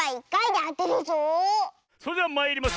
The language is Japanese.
それではまいります！